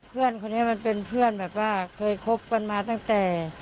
เพื่อนคนนี้มันเป็นเพื่อนแบบว่าเคยคบกันมาตั้งแต่